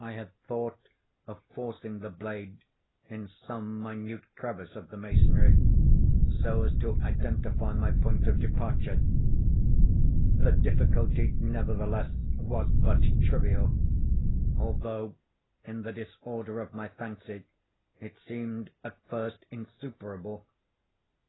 I had thought of forcing the blade in some minute crevice of the masonry, so as to identify my point of departure. The difficulty, nevertheless, was but trivial; although, in the disorder of my fancy, it seemed at first insuperable.